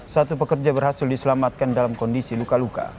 satu pekerja berhasil diselamatkan dalam kondisi luka luka